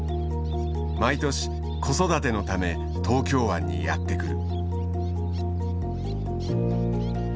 毎年子育てのため東京湾にやって来る。